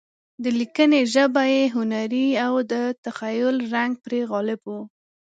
د لیکنې ژبه یې هنري او د تخیل رنګ پرې غالب وي.